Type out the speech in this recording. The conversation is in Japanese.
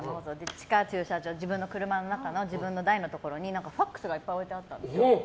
地下駐車場の自分の車の中の自分の台のところにＦＡＸがいっぱい置いてあったんですよ。